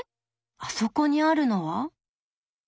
あそこにあるのは？